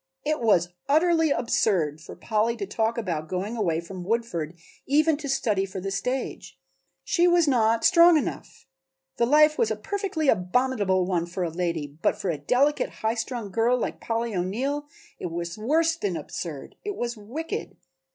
It was utterly absurd for Polly to talk about going away from Woodford even to study for the stage; she was not strong enough; the life was a perfectly abominable one for a lady, but for a delicate high strung girl like Polly O'Neill it was worse than absurd; it was wicked!